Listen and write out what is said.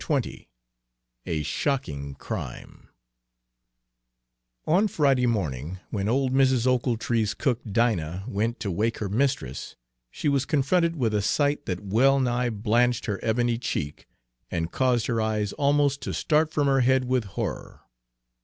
XX A SHOCKING CRIME On Friday morning, when old Mrs. Ochiltree's cook Dinah went to wake her mistress, she was confronted with a sight that well nigh blanched her ebony cheek and caused her eyes almost to start from her head with horror.